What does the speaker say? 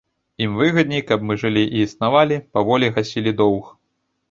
Ім выгадней, каб мы жылі і існавалі, паволі гасілі доўг.